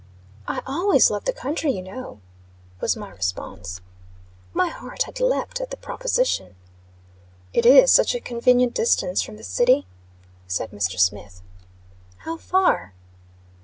"I always, loved the country, you know," was my response. My heart had leaped at the proposition. "It is such a convenient distance from the city," said Mr. Smith. "How far?"